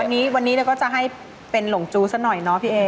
เดี๋ยววันนี้เราก็จะให้เป็นหลงจู้ซักหน่อยนะพี่เอ